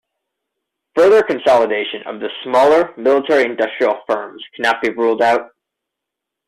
Further consolidation of the smaller military-industrial firms cannot be ruled out.